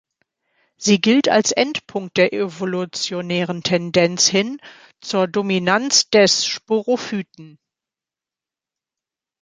Sie gilt als Endpunkt der evolutionären Tendenz hin zur Dominanz des Sporophyten.